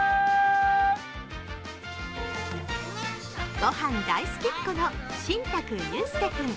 御飯大好きっ子の新宅佑輔君。